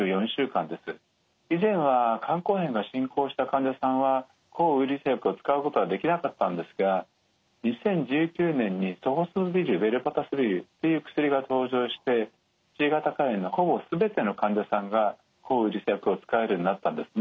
以前は肝硬変が進行した患者さんは抗ウイルス薬を使うことはできなかったんですが２０１９年にソホスブビル・ベルパタスビルっていう薬が登場してＣ型肝炎のほぼ全ての患者さんが抗ウイルス薬を使えるようになったんですね。